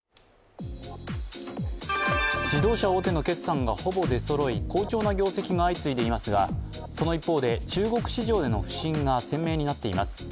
自動車大手の決算がほぼ出そろい好調な業績が相次いでいますが、その一方で中国市場での不振が鮮明になっています。